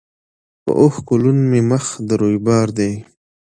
په اوښکو لوند مي مخ د رویبار دی